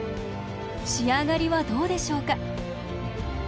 仕上がりはどうでしょうか。